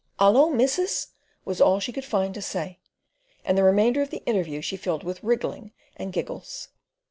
"Allo, missus!" was all she could find to say, and the remainder of the interview she filled in with wriggling and giggles.